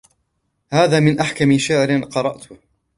هَذَا مِنْ أَحْكَمِ شَعْرٍ قَرَأْته